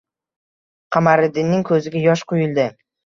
Qamariddinning ko‘ziga yosh quyildi